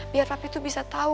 biar papi tuh bisa tau